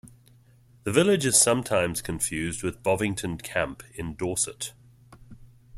The village is sometimes confused with Bovington Camp in Dorset.